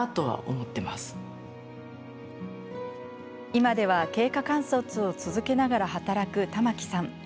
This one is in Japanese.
今では経過観察を続けながら働く玉木さん。